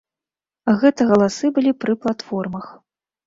Гэта галасы былі пры платформах.